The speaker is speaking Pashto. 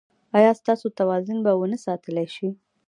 ایا ستاسو توازن به و نه ساتل شي؟